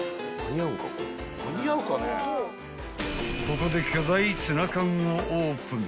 ［ここで巨大ツナ缶をオープン］